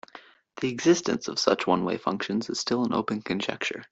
The existence of such one-way functions is still an open conjecture.